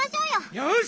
よし！